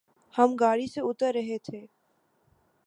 ہم گاڑی سے اتر رہ تھے